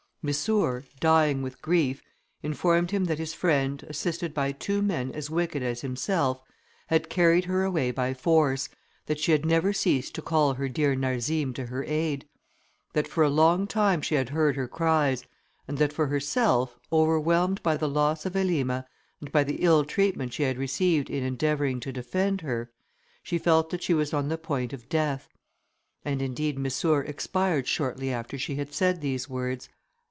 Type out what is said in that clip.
Missour, dying with grief, informed him that his friend, assisted by two men as wicked as himself, had carried her away by force; that she had never ceased to call her dear Narzim to her aid; that for a long time she had heard her cries; and that for herself, overwhelmed by the loss of Elima, and by the ill treatment she had received in endeavouring to defend her, she felt that she was on the point of death. And indeed Missour expired shortly after she had said these words.